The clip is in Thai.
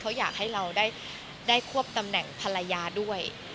เขาอยากให้เราได้ควบตำแหน่งภรรยาด้วย